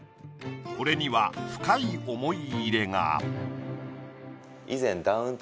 これには深い思い入れが。